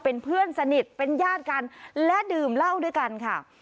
เป็นเพื่อนสนิทเป็นญาติกันและดื่มเหล้าด้วยกันค่ะ